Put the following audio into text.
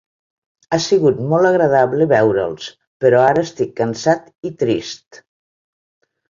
Ha sigut molt agradable veure'ls, però ara estic cansat i trist.